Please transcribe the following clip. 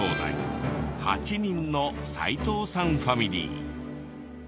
８人の斉藤さんファミリー。